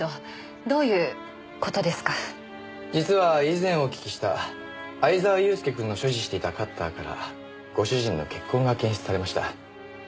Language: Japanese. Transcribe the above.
実は以前お聞きした藍沢祐介くんの所持していたカッターからご主人の血痕が検出されました。